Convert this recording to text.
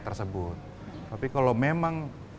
tersebut tapi kalau memang